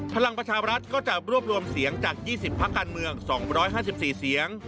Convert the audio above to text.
พลังประชาบรัฐก็จะรวบรวมเสียงจาก๒๐พักการเมือง๒๕๔เสียง